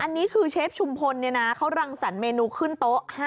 อันนี้คือเชฟชุมพลเขารังสรรคเมนูขึ้นโต๊ะ